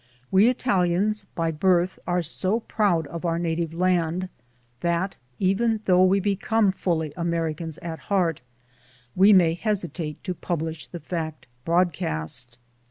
We Italians by birth are so proud of our native land that, even though we become fully Americans at heart we may hesitate to publish the fact broadcast.